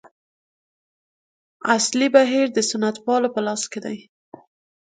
اصلي بهیر د سنتپالو په لاس کې دی.